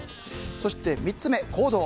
そして３つ目、行動。